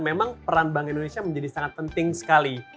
memang peran bank indonesia menjadi sangat penting sekali